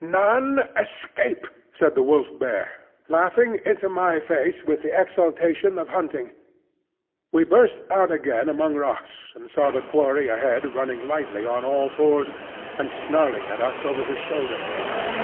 "None escape," said the Wolf bear, laughing into my face with the exultation of hunting. We burst out again among rocks, and saw the quarry ahead running lightly on all fours and snarling at us over his shoulder.